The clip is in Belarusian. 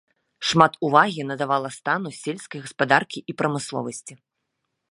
Шмат увагі надавала стану сельскай гаспадаркі і прамысловасці.